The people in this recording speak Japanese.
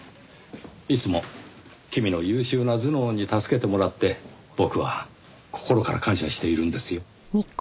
いつも君の優秀な頭脳に助けてもらって僕は心から感謝しているんですよ。